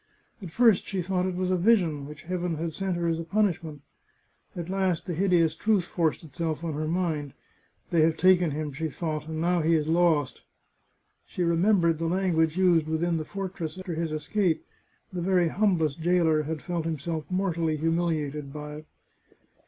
At first she thought it was a vision, which Heaven had sent her as a punishment. At last the hideous truth forced itself on her mind. " They have taken him," she thought, " and now he is lost !" She remembered the language used within the fortress after his escape — t'e very humblest jailer had felt himself mortally humiliated by it.